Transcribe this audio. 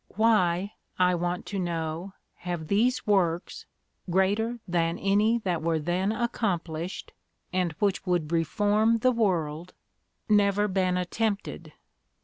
Why, I want to know, have these 'works,' greater than any that were then accomplished, and which would reform the world, never been attempted?